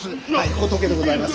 仏でございます。